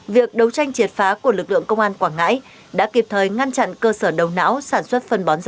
việc đấu tranh triệt phá của lực lượng công an quảng ngãi đã kịp thời ngăn chặn cơ sở đầu não sản xuất phân bón giả